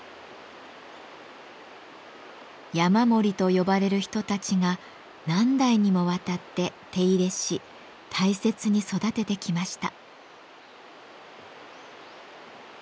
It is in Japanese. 「山守」と呼ばれる人たちが何代にもわたって手入れし大切に育ててきました。